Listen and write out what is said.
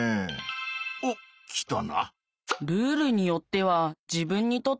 おっ来たな！